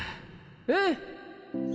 うん！